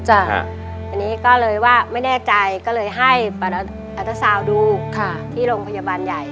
อันนี้ก็เลยว่าไม่แน่ใจก็เลยให้อัตเตอร์สาวดูที่โรงพยาบาลใหญ่